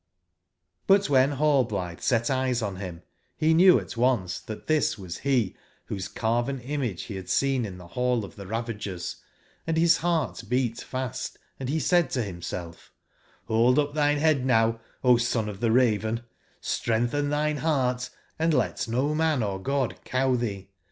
i^^^Crc wben Rallblitbc set eyes on bim, be knew kI^^ at once tbat tbis was be wbose carvcn image ^^Sl be bad seen in tbe ball of tbe Ravagers, and bis beart beat fast, and be said to bimself : ''Hold up tbine bead now, O Son of tbe Raven, strengtben tbine beart, and let no man or god cow tbee.